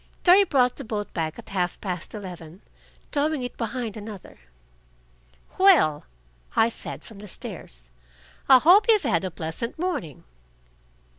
Terry brought the boat back at half past eleven, towing it behind another. "Well," I said, from the stairs, "I hope you've had a pleasant morning."